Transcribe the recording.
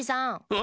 あ！